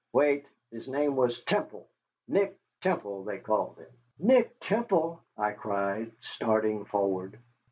Wait his name was Temple Nick Temple, they called him." "Nick Temple!" I cried, starting forward.